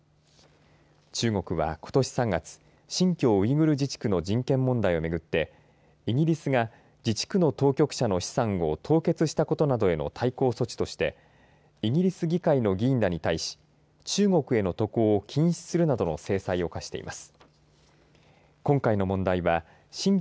中国は、ことし３月新疆ウイグル自治区の人権問題をめぐってイギリスが自治区の当局者の資産を凍結したことなどへの対抗措置そしてイギリス議会の議員らに対し中国への渡航を禁止するなどの制裁を科しています。